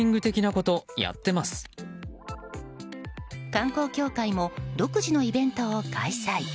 観光協会も独自のイベントを開催。